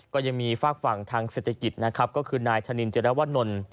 ก็ยังมีฝากฝั่งทางเศรษฐกิจนะครับก็คือนายธนินเจรวนล